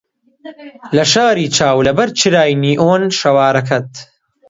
لە شاری چاو لەبەر چرای نیئۆن شەوارەکەت